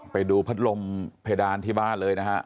ไปดูพัดลมเพดานที่บ้านเลยนะฮะ